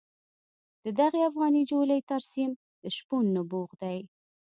د دغې افغاني جولې ترسیم د شپون نبوغ دی.